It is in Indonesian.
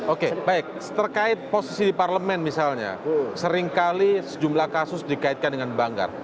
oke baik terkait posisi di parlemen misalnya seringkali sejumlah kasus dikaitkan dengan banggar